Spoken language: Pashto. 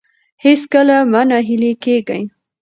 هیڅکله مه نه هیلي کیږئ.